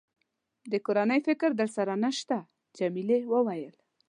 د کورنۍ فکر در سره نشته؟ جميلې وويل:.